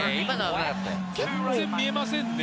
全然先が見えませんね。